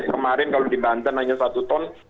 kemarin kalau di banten hanya satu ton